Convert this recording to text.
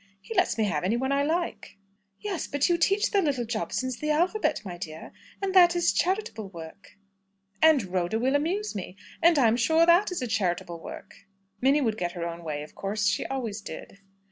He lets me have any one I like." "Yes; but you teach the little Jobsons the alphabet, my dear. And that is a charitable work." "And Rhoda will amuse me, and I'm sure that is a charitable work!" Minnie would get her own way, of course. She always did.